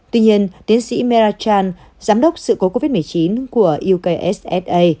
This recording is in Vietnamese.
tuy nhiên tiến sĩ merachan giám đốc sự cố covid một mươi chín của ukssa